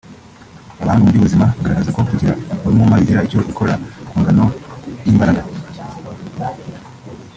Abahanga mu by’ubuzima bagaragaza ko kugira umwuma bigira icyo bikora ku ngano y’imbaraga